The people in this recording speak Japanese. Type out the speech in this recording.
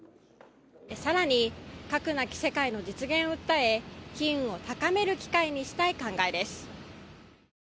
更に、核なき世界の実現を訴え機運を高める機会にしたい考えです。